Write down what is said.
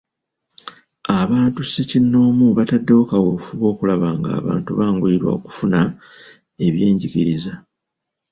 Abantu ssekinoomu bataddewo kaweefube okulaba nga abantu banguyirwa okufuna ebyenjigiriza.